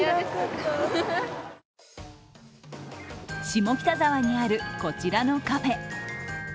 下北沢にある、こちらのカフェ。